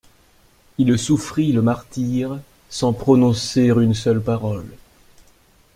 Il souffrit le martyre sans prononcer une seule parole.